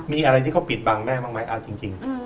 มีอะไรที่เขาปิดบังแม่บ้างไหมเอาจริง